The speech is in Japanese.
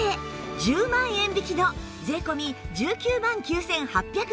１０万円引きの税込１９万９８００円